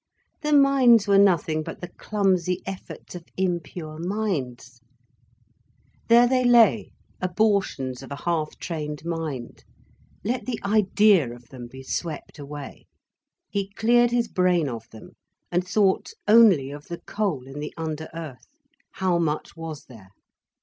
Pah! the mines were nothing but the clumsy efforts of impure minds. There they lay, abortions of a half trained mind. Let the idea of them be swept away. He cleared his brain of them, and thought only of the coal in the under earth. How much was there?